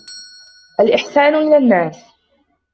الْإِحْسَانُ إلَى النَّاسِ